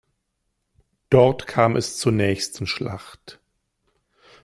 Dort kam es zur nächsten Schlacht.